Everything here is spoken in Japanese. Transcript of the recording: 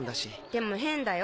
でも変だよ？